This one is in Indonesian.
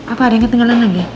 apa ada yang ketinggalan lagi